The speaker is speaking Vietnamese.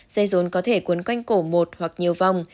dây rôn có thể cuốn quanh cổ một hoặc nhiều vòng